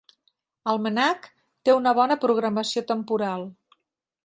El MNAC té una bona programació temporal.